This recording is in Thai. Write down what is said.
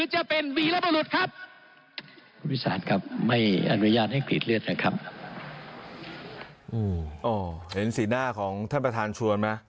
เห็นสีหน้าของท่านประธานชวนไหม